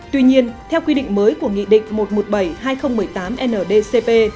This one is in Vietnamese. tuy nhiên theo quy định mới của nghị định một trăm một mươi bảy hai nghìn một mươi tám ndcp